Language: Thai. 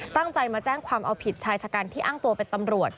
ตั้งใจมาแจ้งความเอาผิดชายชะกันที่อ้างตัวเป็นตำรวจ